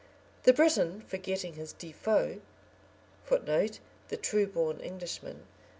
The Briton forgetting his Defoe, [Footnote: The True born Englishman.